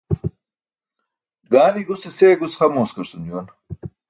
Gaani guse see gus xa mooskarcum juwan.